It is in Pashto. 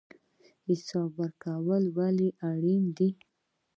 حساب ورکول ولې اړین دي؟